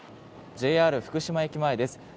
ＪＲ福島駅前です。